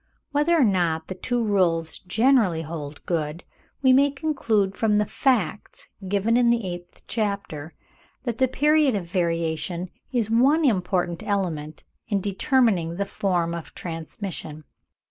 Whether or not the two rules generally hold good, we may conclude from the facts given in the eighth chapter, that the period of variation is one important element in determining the form of transmission.